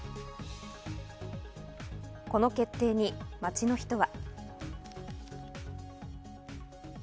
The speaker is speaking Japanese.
この決定に街の人は。